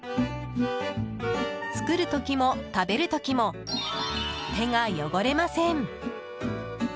作る時も食べる時も手が汚れません。